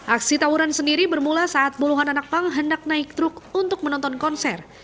aksi tawuran sendiri bermula saat puluhan anak pang hendak naik truk untuk menonton konser